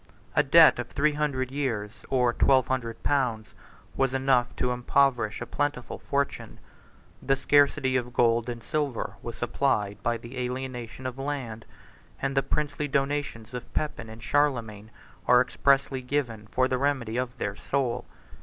A debt of three hundred years, or twelve hundred pounds, was enough to impoverish a plentiful fortune; the scarcity of gold and silver was supplied by the alienation of land; and the princely donations of Pepin and Charlemagne are expressly given for the remedy of their soul.